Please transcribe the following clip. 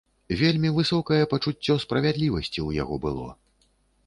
Вельмі высокае пачуццё справядлівасці ў яго было.